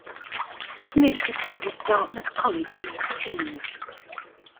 Smith attended Dartmouth College in his teens.